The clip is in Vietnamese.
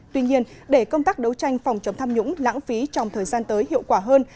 tuy nhiên để công tác đấu tranh phòng chống tham nhũng lãng phí trong thời gian tới hiệu quả hơn